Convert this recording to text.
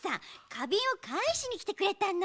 かびんをかえしにきてくれたの。